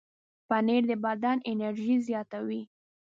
پنېر د بدن انرژي زیاتوي.